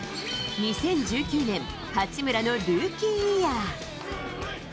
２０１９年、八村のルーキーイヤー。